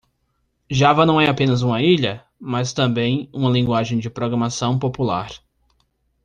Java não é apenas uma ilha?, mas também uma linguagem de programação popular.